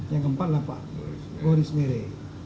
yang keempat adalah pak boris miri